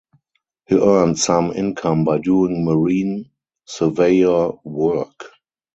He earned some income by doing marine surveyor work.